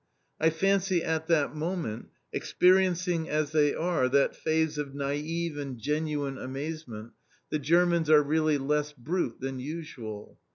I fancy at that moment, experiencing as they are that phase of naive and genuine amazement, the Germans are really less brute than usual.